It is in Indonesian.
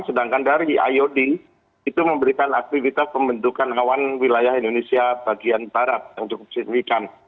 sedangkan dari iod itu memberikan aktivitas pembentukan awan wilayah indonesia bagian barat yang cukup signifikan